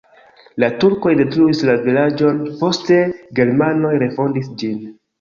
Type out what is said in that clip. La turkoj detruis la vilaĝon, poste germanoj refondis ĝin.